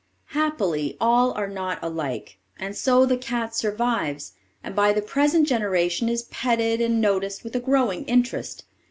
Happily all are not alike, and so the cat survives, and by the present generation is petted and noticed with a growing interest.